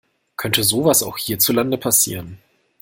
Könnte sowas auch hierzulande passieren?